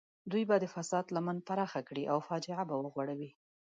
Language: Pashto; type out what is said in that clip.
دوی به د فساد لمن پراخه کړي او فاجعه به وغوړوي.